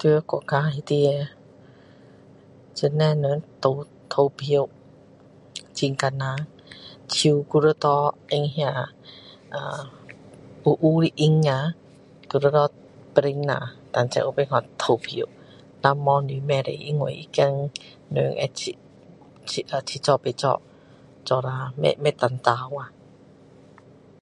在国家里面，这里人投，投票，很艰难。手还要拿放那 ahh ahh 黑黑的 ink 呀，还要 [unintelligible] 啦，才能够投票。没你不能，因为怕人，七，七，七做八做。做啦不能投啊。